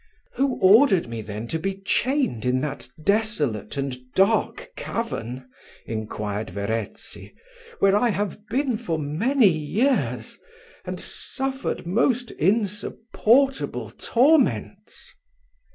"Who ordered me then to be chained in that desolate and dark cavern," inquired Verezzi, "where I have been for many years, and suffered most insupportable torments?"